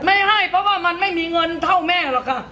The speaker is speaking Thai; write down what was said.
ไม่ให้เพราะว่ามันไม่มีเงินเท่าแม่หรอกค่ะ